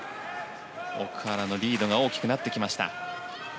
奥原のリードが大きくなってきました。